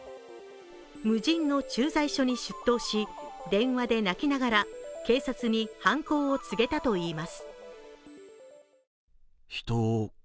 無人の駐在所に出頭し、電話で泣きながら警察に犯行を告げたといいます。